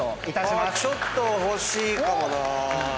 ちょっと欲しいかもなぁ。